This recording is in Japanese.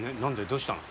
どうしたの？